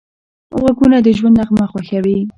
غوږونه د ژوند نغمه خوښوي